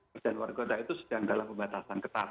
perjalanan luar kota itu sedang dalam pembatasan ketat